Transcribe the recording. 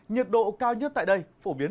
nhiệt độ cao nhất tại đây phổ biến